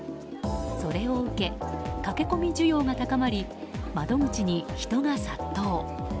それを受け駆け込み需要が高まり窓口に人が殺到。